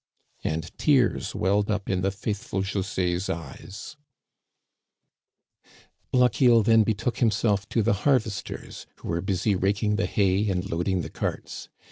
And tears welled up in the faithful Jose's eyes, Lochiel then betook himself to the harvesters, who were busy raking the hay and loading the carts.